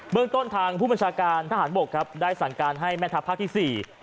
เบื้องต้นทางผู้บัญชาการทหารบกได้สั่งการให้แม่ทัพพักที่๔